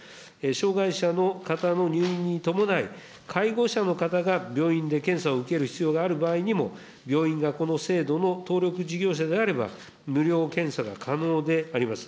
障害者の方の入院に伴い、介護者の方が病院で検査を受ける必要がある場合にも、病院がこの制度の登録事業者であれば、無料検査が可能であります。